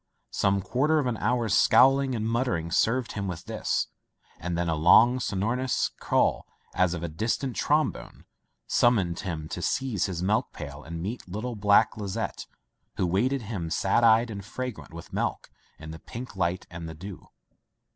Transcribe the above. Some quarter of an hour's scowling and muttering served him with this, and then a long so norous call, as of a distant trombone, sum moned him to seize his milk pail and meet little black Lizette, who waited him, sad eyed, and fragrant with milk, in the pink light and the dew.